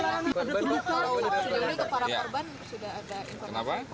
kalau sudah ada informasi para korban sudah ada informasi dilakukan di rumah sakit mana